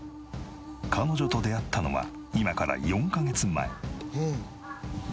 彼女と出会ったのは今から４カ月前。